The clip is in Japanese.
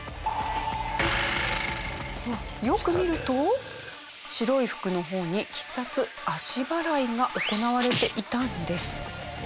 よく見ると白い服の方に必殺足払いが行われていたんです。